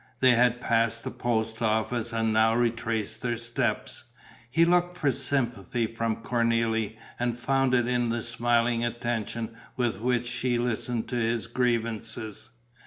They had passed the post office and now retraced their steps. He looked for sympathy from Cornélie and found it in the smiling attention with which she listened to his grievances.